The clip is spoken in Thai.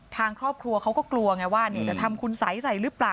ทางครอบครัวเขาก็กลัวไงว่าจะทำคุณสัยใส่หรือเปล่า